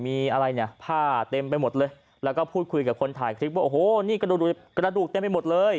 มีอะไรเนี่ยผ้าเต็มไปหมดเลยแล้วก็พูดคุยกับคนถ่ายคลิปว่าโอ้โหนี่กระดูกเต็มไปหมดเลย